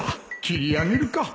切り上げるか